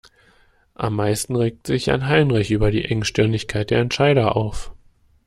Am meisten regt sich Jan-Heinrich über die Engstirnigkeit der Entscheider auf.